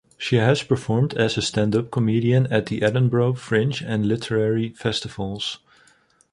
She has performed as a stand-up comedian at the Edinburgh Fringe and literary festivals.